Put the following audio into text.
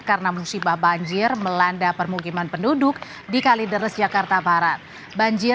karena musibah banjir melanda permukiman penduduk di kalideres jakarta barat banjir